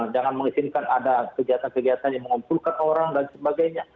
jangan mengizinkan ada kegiatan kegiatan yang mengumpulkan orang dan sebagainya